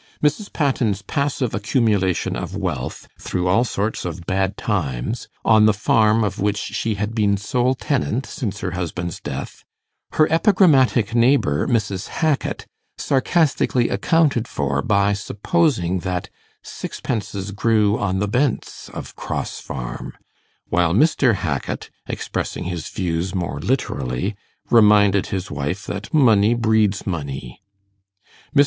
Mrs. Patten's passive accumulation of wealth, through all sorts of 'bad times', on the farm of which she had been sole tenant since her husband's death, her epigrammatic neighbour, Mrs. Hackit, sarcastically accounted for by supposing that 'sixpences grew on the bents of Cross Farm;' while Mr. Hackit, expressing his views more literally, reminded his wife that 'money breeds money'. Mr.